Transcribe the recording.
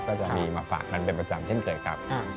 ก็จะมีมาฝากกันเป็นประจำเช่นเคยครับ